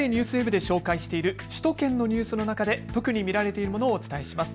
ＮＨＫＮＥＷＳＷＥＢで紹介している首都圏のニュースの中で特に見られているものをお伝えします。